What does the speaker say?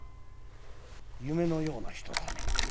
「夢のような人だね。